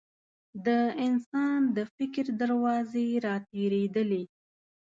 د انسان د فکر دروازې راتېرېدلې.